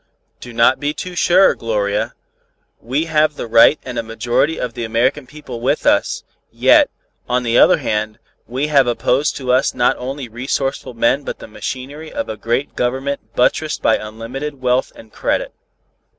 "Do not be too sure, Gloria. We have the right and a majority of the American people with us; yet, on the other hand, we have opposed to us not only resourceful men but the machinery of a great Government buttressed by unlimited wealth and credit."